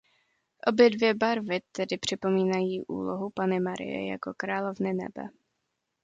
Obě dvě barvy tedy připomínají úlohu Panny Marie jako Královny nebe.